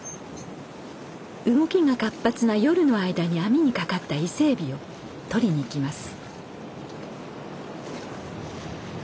動きが活発な夜の間に網にかかった伊勢エビを取りに行きます。